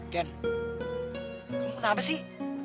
ken kamu kenapa sih